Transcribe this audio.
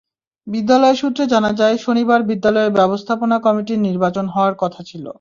বিদ্যালয় সূত্রে জানা যায়, শনিবার বিদ্যালয়ের ব্যবস্থাপনা কমিটির নির্বাচন হওয়ার কথা ছিল।